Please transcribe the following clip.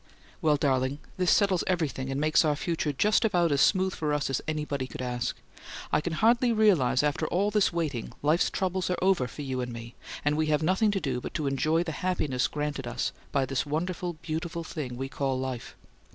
Well, darling, this settles everything and makes our future just about as smooth for us as anybody could ask. I can hardly realize after all this waiting life's troubles are over for you and me and we have nothing to do but to enjoy the happiness granted us by this wonderful, beautiful thing we call life.